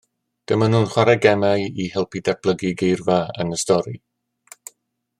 Dyma nhw'n chwarae gemau i helpu datblygu geirfa yn y stori